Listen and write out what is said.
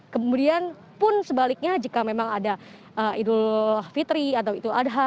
kemudian pun sebaliknya jika memang ada idul fitri atau idul adha